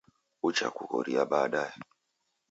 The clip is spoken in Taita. Uchakughoria badaye